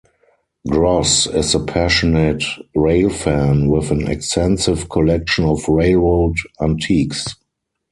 Gross is a passionate railfan with an extensive collection of railroad antiques.